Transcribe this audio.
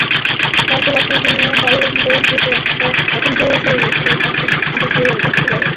তারপর অপ্রয়োজনীয় ডালগুলো কেটে পছন্দসই একটি পাত্রে মাটি দিয়ে গাছটি লাগান।